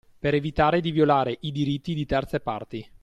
Per evitare di violare i diritti di terze parti